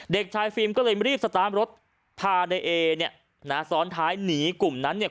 เด็กชายฟิล์มก็เลยรีบสตาร์ทรถพาในเอเนี่ยนะซ้อนท้ายหนีกลุ่มนั้นเนี่ย